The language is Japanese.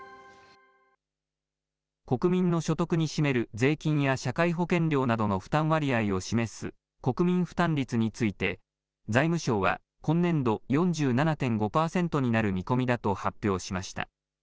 国民の所得に占める税金や社会保険料などを負担割合を示す国民負担率について、財務省は今年度、４７．５％になる見込みだと発表しました。